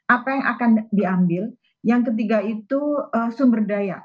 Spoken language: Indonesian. apa yang akan diambil yang ketiga itu sumber daya